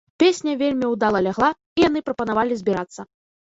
Песня вельмі ўдала лягла, і яны прапанавалі збірацца.